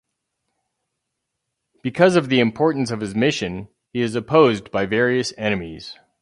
Because of the importance of his mission, he is opposed by various enemies.